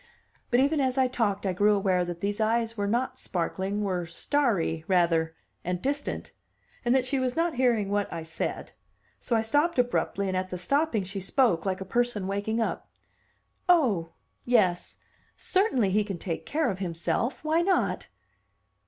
But even as I talked I grew aware that these eyes were not sparkling, were starry rather, and distant, and that she was not hearing what I said; so I stopped abruptly, and at the stopping she spoke, like a person waking up. "Oh, yes! Certainly he can take care of himself. Why not?"